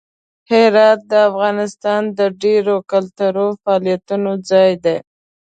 هرات د افغانستان د ډیرو کلتوري فعالیتونو ځای دی.